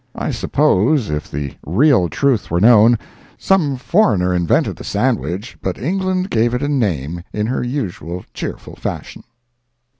I suppose, if the real truth were known, some foreigner invented the Sandwich, but England gave it a name, in her usual cheerful fashion.